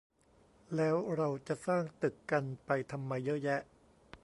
แล้วเราจะสร้างตึกกันไปทำไมเยอะแยะ